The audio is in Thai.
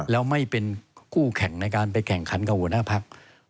แล้วไม่เป็นคู่แข่งในการไปแข่งขันกับหัวหน้าพัก